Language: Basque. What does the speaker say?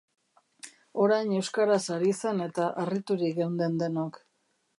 Orain euskaraz ari zen eta harriturik geunden denok.